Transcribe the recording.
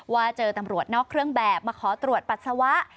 ว่าเจอตำรวจนอกเครื่องแบบมาขอตรวจปัสสาวะ